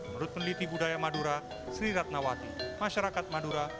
menurut peneliti budaya madura sri ratnawati masyarakat madura